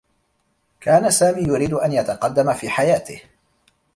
كان سامي يريد أن يتقدّم في حياته.